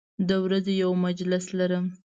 د ورځې یو مجلس لرم